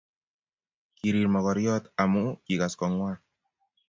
Kirir mogoryot amu kigase kongwan